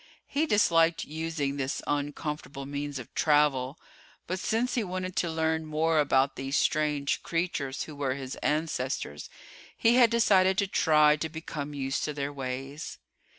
He disliked using this uncomfortable means of travel, but since he wanted to learn more about these strange creatures who were his ancestors, he had decided to try to become used to their ways.